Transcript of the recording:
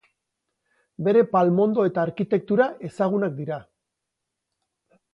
Bere palmondo eta arkitektura ezagunak dira.